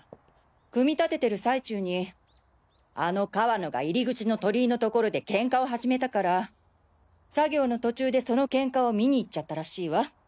組み立ててる最中にあの川野が入り口の鳥居の所でケンカを始めたから作業の途中でそのケンカを見に行っちゃったらしいわ。